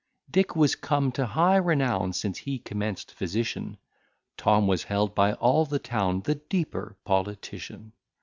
Dick was come to high renown Since he commenced physician; Tom was held by all the town The deeper politician.